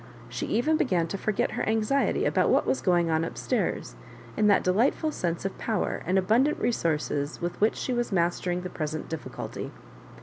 She even be gan to forget her anxiety about what was going on up stairs in that delightful sense of power and abundant resources with which she was master ing the present difficulty.